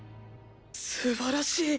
すばらしい。